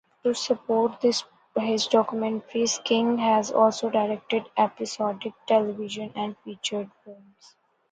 To support his documentaries, King has also directed episodic television and feature films.